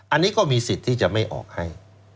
อันนี้ก็มีสิทธิ์ที่จะไม่ออกให้